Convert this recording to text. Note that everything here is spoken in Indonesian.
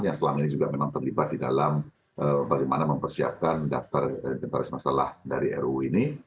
yang selama ini juga memang terlibat di dalam bagaimana mempersiapkan daftar inventaris masalah dari ruu ini